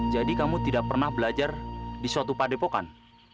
jadi kamu tidak pernah belajar di suatu padepokan